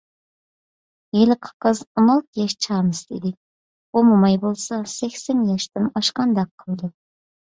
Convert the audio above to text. ھېلىقى قىز ئون ئالتە ياش چامىسىدا ئىدى، بۇ موماي بولسا سەكسەن ياشتىن ئاشقاندەك قىلىدۇ.